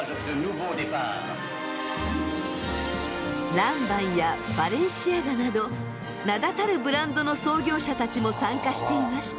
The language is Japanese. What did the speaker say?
ランバンやバレンシアガなど名だたるブランドの創業者たちも参加していました。